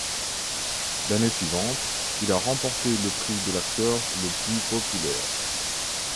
L'année suivante, il a remporté le prix de l'Acteur le Plus Populaire.